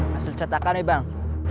masuk catakan nih bang